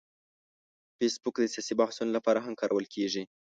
فېسبوک د سیاسي بحثونو لپاره هم کارول کېږي